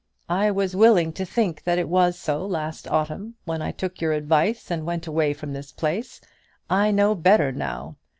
"I was willing to think that it was so last autumn, when I took your advice and went away from this place. I know better now.